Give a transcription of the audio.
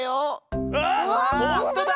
あっほんとだ！